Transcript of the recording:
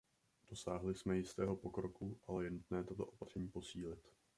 Dosáhli jsme jistého pokroku, ale je nutné tato opatření posílit.